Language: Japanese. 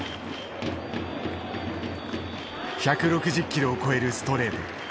１６０キロを超えるストレート。